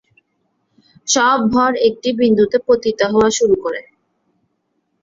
সব ভর একটি বিন্দুতে পতিত হতে শুরু করে।